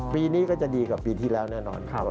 ปีนี้ก็จะดีกว่าปีที่แล้วแน่นอนครับครับ